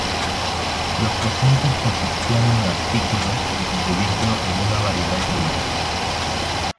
Los presentes consistían en artículos de vidrio en una variedad de colores.